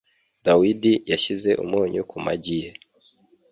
Dawidi yashyize umunyu ku magi ye.